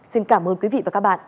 xin cảm ơn quý vị và các bạn